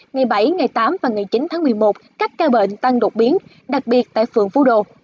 ngày bảy ngày tám và ngày chín tháng một mươi một các ca bệnh tăng đột biến đặc biệt tại phường phú đô